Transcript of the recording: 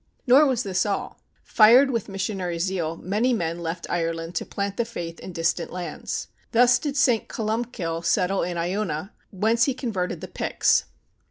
Nor was this all. Fired with missionary zeal, many men left Ireland to plant the faith in distant lands. Thus did St. Columcille settle in Iona, whence he converted the Picts.